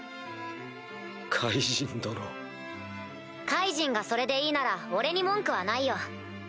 カイジンがそれでいいなら俺に文句はないよ。